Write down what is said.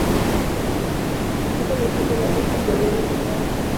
unafahamu nini kwamba unapaswa kuhifadhi pesa yako katika